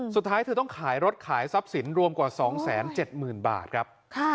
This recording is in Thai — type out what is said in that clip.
สุดท้ายเธอต้องขายรถขายทรัพย์สินรวมกว่า๒๗๐๐๐บาทครับ